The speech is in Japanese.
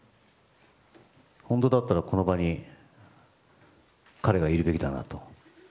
本当だったらこの場に彼がいるべきだなと。